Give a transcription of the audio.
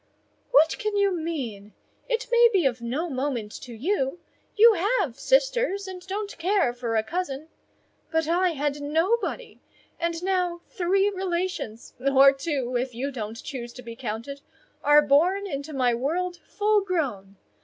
"What can you mean? It may be of no moment to you; you have sisters and don't care for a cousin; but I had nobody; and now three relations,—or two, if you don't choose to be counted,—are born into my world full grown.